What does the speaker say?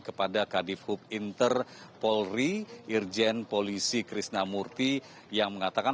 kepada kadif hub interpolri irjen polisi krishnamurti yang mengatakan